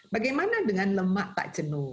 bagaimana dengan lemak tak jenuh